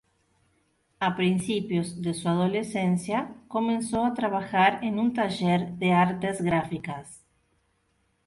A principios de su adolescencia, comenzó a trabajar en un taller de artes gráficas.